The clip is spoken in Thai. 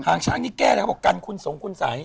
หางช้างนี่แก้อะไรครับกันคุณสงคุณสัย